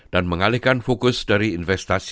dan mengalihkan fokus dari investasi